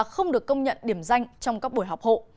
không được công nhận điểm danh trong các buổi học hộ